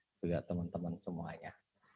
juga teman teman semuanya